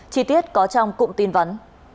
chi tiết có trong cụm tin vấn